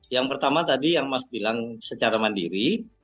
yang pertama tadi yang mas bilang secara mandiri